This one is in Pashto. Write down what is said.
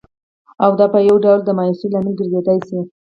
او دا په یوه ډول د مایوسۍ لامل ګرځېدای شي